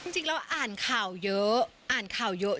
จริงเราอ่านข่าวเยอะอ่านข่าวเยอะ